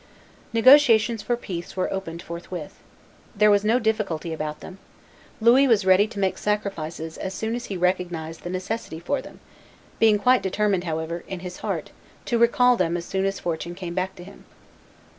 Negotiations for peace were opened forthwith. There was no difficulty about them. Louis was ready to make sacrifices as soon as be recognized the necessity for them, being quite determined, however, in his heart to recall them as soon as fortune came back to him.